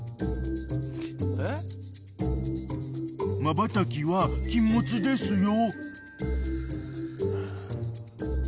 ［まばたきは禁物ですよ］